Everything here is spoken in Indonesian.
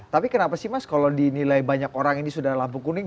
tapi kenapa sih mas kalau dinilai banyak orang ini sudah lampu kuning